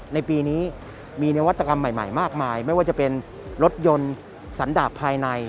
ในปีนี้มีนวัตกรรมใหม่มากมายไม่ว่าจะเป็นรถยนต์สันดาบภายใน